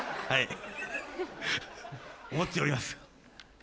はい！